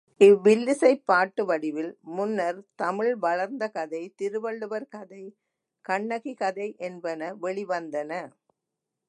இவ் வில்லிசைப் பாட்டுவடிவில் முன்னர்த் தமிழ்வளர்ந்த கதை, திருவள்ளுவர் கதை, கண்ணகி கதை யென்பன வெளிவந்தன.